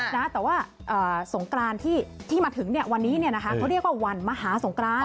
แต่ว่าสงกรานที่มาถึงเนี่ยวันนี้เขาเรียกว่าวันมหาสงกราน